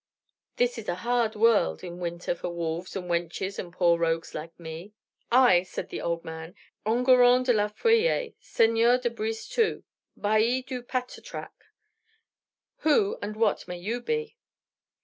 This is a hard world in winter for wolves and wenches and poor rogues like me." "I," said the old man, "am Enguerrand de la Feuillee, seigneur de Brisetout, bailly du Patatrac. Who and what may you be?"